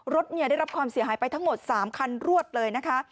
รถได้รับความเสียหายไปทั้งหมด๓คันรวดเลยนะคะ